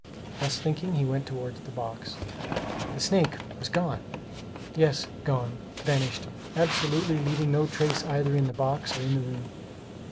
Thus thinking, he went toward the box. The snake was gone! Yes, gone, vanished absolutely, leaving no trace either in the box or in the room.